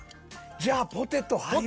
じゃあポテト入るぞ。